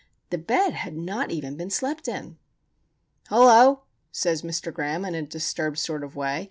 The bed had not even been slept in. "'Hello!' says Mr. Graham, in a disturbed sort of way.